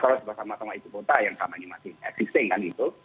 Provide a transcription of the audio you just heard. kalau sama sama itu pota yang sama ini masih existing kan itu